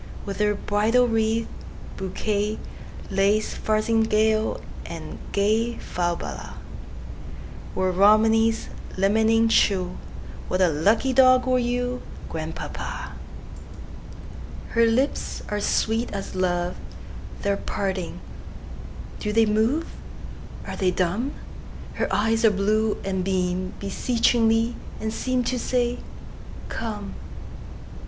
With her bridal wreath, bouquet, Lace farthingale, and gayFalbala, Were Romney's limning true, What a lucky dog were you, Grandpapa! Her lips are sweet as love; They are parting! Do they move? Are they dumb? Her eyes are blue, and beamBeseechingly, and seemTo say, "Come!"